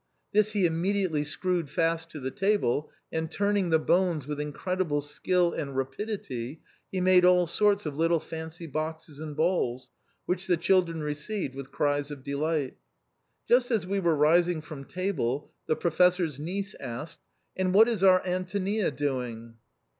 This he immediately screwed fast to the table, and turning the bones with incredible skill and rapidity, he made all sorts of little fancy boxes and balls, which the children received with cries of delight Just as we were rising from table, the Professor's niece asked, And what is our Antonia doing